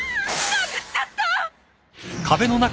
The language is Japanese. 殴っちゃった！